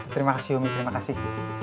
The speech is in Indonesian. terima kasih umi terima kasih